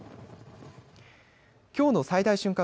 きょうの最大瞬間